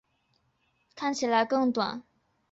反影伪装可以使坦克炮管看起来更短。